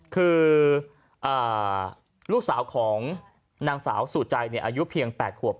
คืออ่าลูกสาวของนางสาวสุใจเนี่ยอายุเพียงแปดขวบ